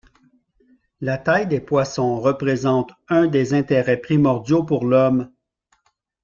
La taille des poissons représente un des intérêts primordiaux pour l'Homme.